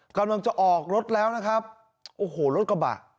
กำลังจะออกรถแล้วนะครับโอ้โหรถกระบะ